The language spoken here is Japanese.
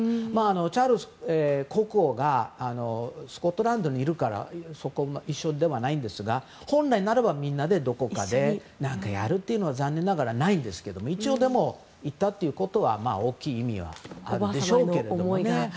チャールズ国王がスコットランドにいるからそこは一緒ではないんですが本来ならみんなでどこかで何かやるというのは残念ながら、ないんですが一応、でも行ったということは大きな意味はあるでしょうけど。